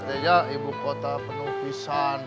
artinya ibu kota penuh pisan